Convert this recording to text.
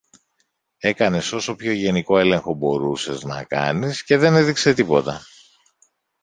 έκανες όσο πιο γενικό έλεγχο μπορούσες να κάνεις και δεν έδειξε τίποτα